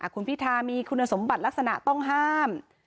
คุณพิธามีคุณสมบัติลักษณะต้องห้าม